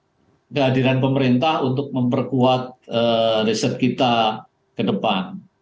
dan kehadiran pemerintah untuk memperkuat riset kita ke depan